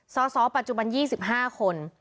สสปัจจุบัน๒๕คน